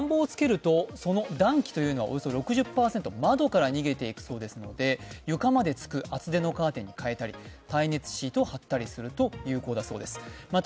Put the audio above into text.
暖房をつけるとその暖気はおよそ６０％が窓から逃げていくそうで床までつく厚手のカーテンに変えたり耐熱シートを貼ったりすると有効だそうです。